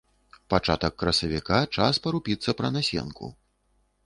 Пачатак красавіка, час парупіцца пра насенку.